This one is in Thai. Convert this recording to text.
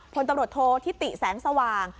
พลตำรวจโทษทิติแสงสว่าง